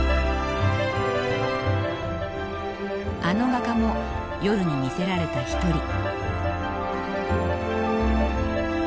あの画家も夜に魅せられた一人。